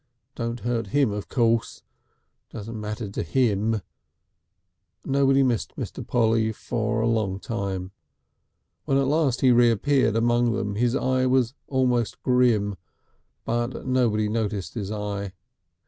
Don't hurt him of course. Doesn't matter to him...." Nobody missed Mr. Polly for a long time. When at last he reappeared among them his eye was almost grim, but nobody noticed his eye.